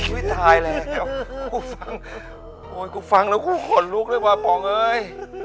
อุ้ยตายแหละครับกูฟังโอ้ยกูฟังแล้วกูห่อนลุกด้วยป่าวปองเฮ้ย